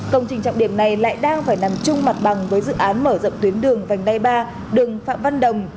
công trình trọng điểm này lại đang phải nằm chung mặt bằng với dự án mở rộng tuyến đường vành đai ba đường phạm văn đồng